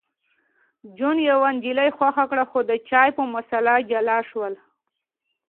جون یوه نجلۍ خوښه کړه خو د چای په مسله جلا شول